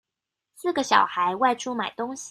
四個小孩外出買東西